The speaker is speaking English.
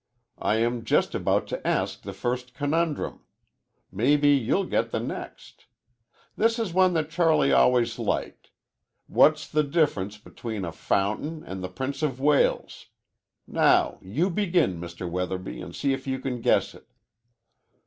I am just about to ask the first conundrum. Mebbe you'll get the next. This is one that Charlie always liked. What's the difference between a fountain and the Prince of Wales? Now, you begin, Mr. Weatherby, and see if you can guess it."